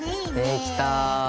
できた！